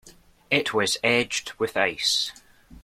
It was edged with ice.